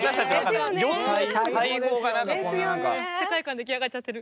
出来上がっちゃってる。